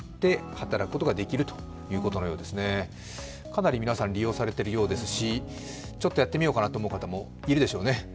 かなり皆さん利用されているようですしちょっとやってみようかなと思う方もいるでしょうね。